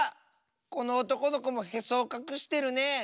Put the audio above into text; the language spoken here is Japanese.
このおとこのこもへそをかくしてるね。